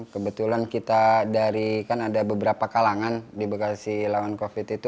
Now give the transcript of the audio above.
kebetulan kita dari kan ada beberapa kalangan di bekasi lawan covid itu